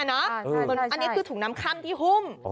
อันนี้คือถุงน้ำค่ำที่หุ้ม